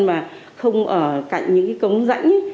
mà không ở cạnh những cái cống rãnh